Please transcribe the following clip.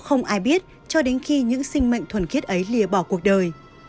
không ai biết cho đến khi những sinh mệnh thuần khiết ấy lìa bỏ cuộc đời